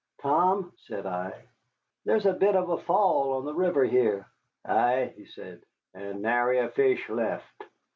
"Tom," said I, "there's a bit of a fall on the river here." "Ay," he said, "and nary a fish left."